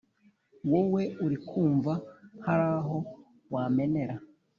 wowe urikumva haraho wamenera”